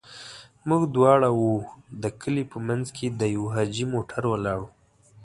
موږ واړه وو، د کلي په منځ کې د يوه حاجي موټر ولاړ و.